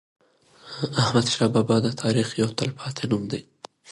احمدشاه بابا د تاریخ یو تل پاتی نوم دی.